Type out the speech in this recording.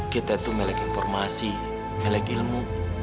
kita tuh melek informasi melek ilmu